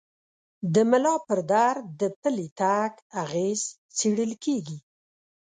د ملا پر درد د پلي تګ اغېز څېړل کېږي.